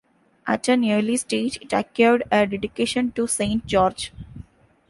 At an early stage it acquired a dedication to Saint George.